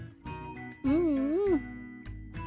うんうん。